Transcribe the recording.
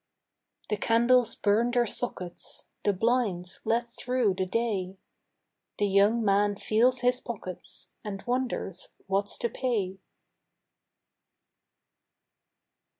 The candles burn their sockets, The blinds let through the day, The young man feels his pockets And wonders what's to pay.